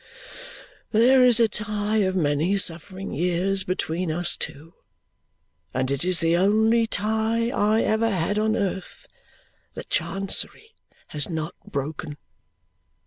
There is a tie of many suffering years between us two, and it is the only tie I ever had on earth that Chancery has not broken."